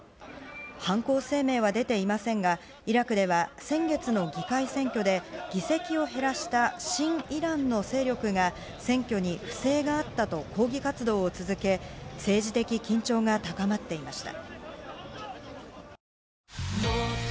犯行声明は出ていませんがイラクでは先月の議会選挙で議席を減らした親イランの勢力が選挙に不正があったと抗議活動を続け政治的緊張が高まっていました。